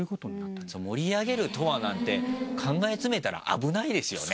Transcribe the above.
「盛り上げるとは？」なんて考え詰めたら危ないですよね。